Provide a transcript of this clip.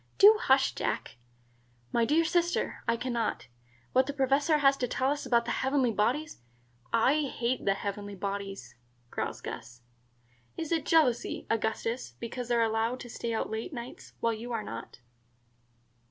"Do hush, Jack." "My dear sister, I can not. What the Professor has to tell us about the heavenly bodies " "I hate the heavenly bodies," growls Gus. "Is it jealousy, Augustus, because they are allowed to stay out late nights, while you are not?"